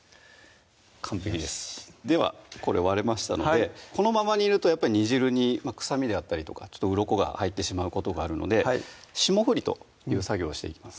完璧ですではこれ割れましたのでこのまま煮るとやっぱり煮汁に臭みであったりとかうろこが入ってしまうことがあるので霜降りという作業をしていきます